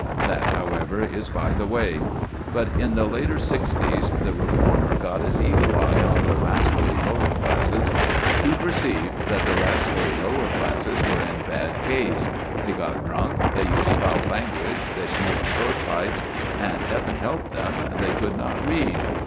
That, however, is by the way. But in the later sixties the reformer got his eagle eye on the rascally lower classes. He perceived that the rascally lower classes were in bad case. They got drunk, they used foul language, they smoked short pipes, and, Heaven help them! they could not read.